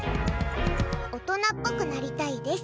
大人っぽくなりたいです。